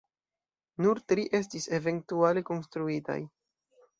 Nur tri estis eventuale konstruitaj.